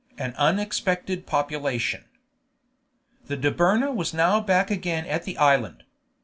AN UNEXPECTED POPULATION The Dobryna was now back again at the island.